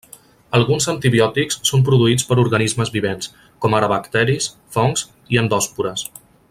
Alguns antibiòtics són produïts per organismes vivents, com ara bacteris, fongs, i endòspores.